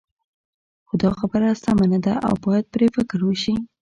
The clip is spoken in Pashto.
خو دا خبره سمه نه ده او باید پرې فکر وشي.